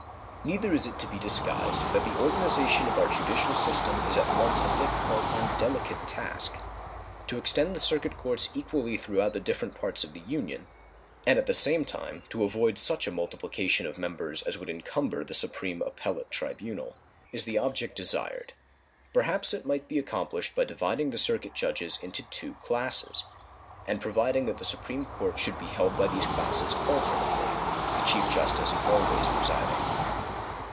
Neither is it to be disguised that the organization of our judicial system is at once a difficult and delicate task. To extend the circuit courts equally throughout the different parts of the Union, and at the same time to avoid such a multiplication of members as would encumber the supreme appellate tribunal, is the object desired. Perhaps it might be accomplished by dividing the circuit judges into two classes, and providing that the Supreme Court should be held by these classes alternately, the Chief Justice always presiding.